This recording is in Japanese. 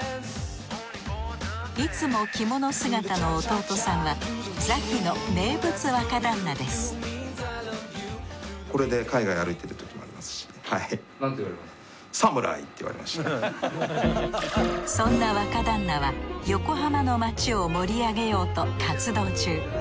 いつも着物姿の弟さんはそんな若旦那は横浜の街を盛り上げようと活動中。